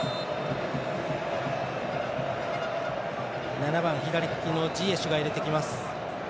７番、左利きのジエシュが入れてきます。